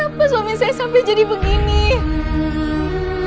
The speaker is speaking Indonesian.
ya allah istighfar pak